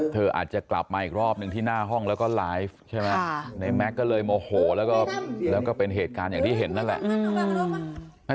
เธออาจจะกลับมาอีกรอบหนึ่งที่หน้าห้องแล้วก็ไลฟ์ใช่ไหมในแม็กซ์ก็เลยโมโหแล้วก็เป็นเหตุการณ์อย่างที่เห็นนั่นแหละ